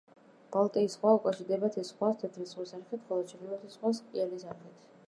ბალტიის ზღვა უკავშირდება თეთრ ზღვას თეთრი ზღვის არხით, ხოლო ჩრდილოეთის ზღვას კიელის არხით.